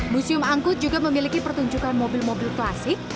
museum angkut juga memiliki pertunjukan mobil mobil klasik